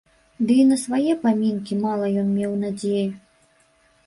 Ды і на свае памінкі мала ён меў надзеі.